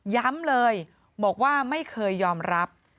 ย้ำเลยบอกว่าไม่เคยยอมรับ